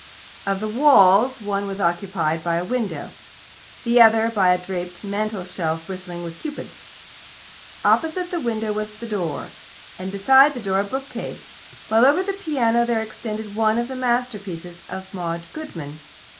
Of the walls, one was occupied by the window, the other by a draped mantelshelf bristling with Cupids. Opposite the window was the door, and beside the door a bookcase, while over the piano there extended one of the masterpieces of Maud Goodman.